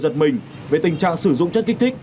giật mình về tình trạng sử dụng chất kích thích